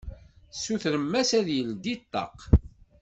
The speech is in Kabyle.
Sutren-as ad yeldi ṭṭaq.